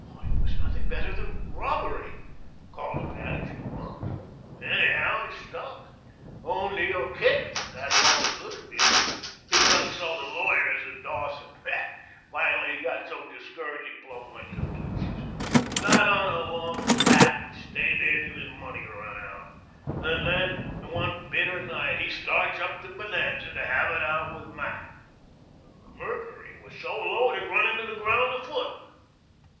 "It was nothing better than robbery." "Call it what you want to. Anyhow, it stuck. O'Neill kicked, and that's all the good it did him. He consulted lawyers at Dawson. Finally he got so discouraged that he plumb went to pieces got on a long bat and stayed there till his money ran out. Then one bitter night he starts up to Bonanza to have it out with Mac. The mercury was so low it had run into the ground a foot.